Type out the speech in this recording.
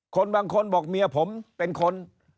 บางคนบอกเมียผมเป็นคน